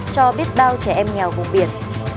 cho biết bao trẻ em nghèo vùng biển